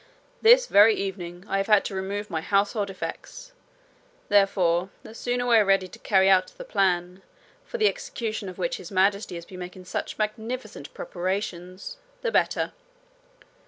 'This very evening I have had to remove my household effects; therefore the sooner we are ready to carry out the plan, for the execution of which His Majesty has been making such magnificent preparations, the better.